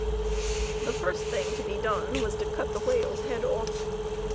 The first thing to be done was to cut the whale's head off.